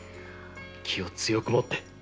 気を強くもって！